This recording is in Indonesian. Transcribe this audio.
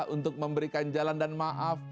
untuk memberikan jalan dan maaf